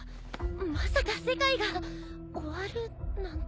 まさか世界が終わるなんて。